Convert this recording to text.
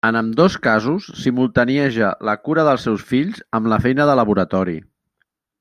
En ambdós casos simultanieja la cura dels seus fills amb la feina de laboratori.